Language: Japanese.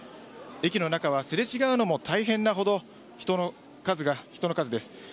駅の中はすれ違うのも大変なほどの人の数です。